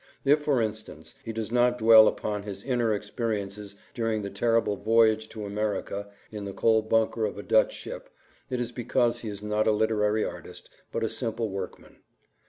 If, for instance, he does not dwell upon his inner experiences during his terrible voyage to America in the coal bunker of a Dutch ship it is because he is not a literary artist, but a simple workman.